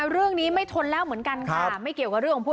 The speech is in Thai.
เรื่องนี้ไม่ทนแล้วเหมือนกันค่ะไม่เกี่ยวกับเรื่องของผู้